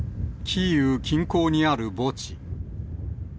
キーウ近郊にある墓地。